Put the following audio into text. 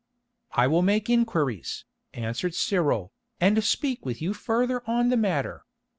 "I will make inquiries," answered Cyril, "and speak with you further on the matter.